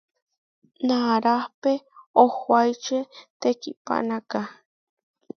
Narahpé ohuáiče tekihpanáka.